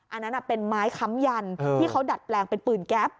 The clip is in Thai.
อันนั้นเป็นไม้ค้ำยันที่เขาดัดแปลงเป็นปืนแก๊ป